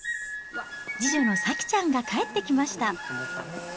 次女のさきちゃんが帰ってきました。